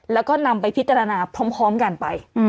แล้วก็นำไปพิจารณาพร้อมกันไป